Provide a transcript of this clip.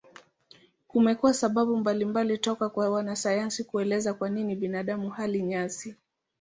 Kumekuwa sababu mbalimbali toka kwa wanasayansi kuelezea kwa nini binadamu hali nyasi.